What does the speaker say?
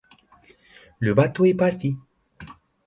Le bateau est parti.